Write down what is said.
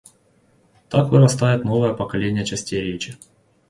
Так вырастает новое поколение частей речи.